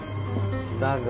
だが。